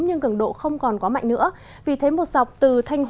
nhưng cường độ không còn quá mạnh nữa vì thế một dọc từ thanh hóa